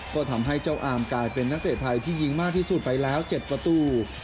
ก็ทำให้เจ้าอามกลายเป็นนักเตะไทยที่ยิงมากที่สุดไปแล้ว๗ประตู